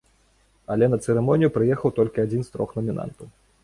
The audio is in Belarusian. Але на цырымонію прыехаў толькі адзін з трох намінантаў.